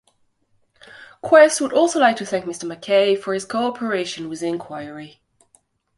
Quest would also like to thank Mr McKay for his cooperation with the inquiry.